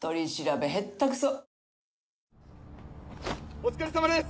お疲れさまです！